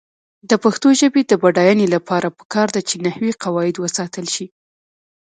د پښتو ژبې د بډاینې لپاره پکار ده چې نحوي قواعد وساتل شي.